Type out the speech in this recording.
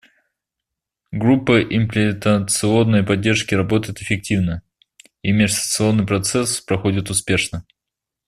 Группа имплементационной поддержки работает эффективно, и межсессионный процесс проходит успешно.